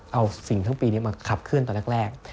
เอาสิ่งทั้งปีนี้มาขับเคลื่อนตอนแรก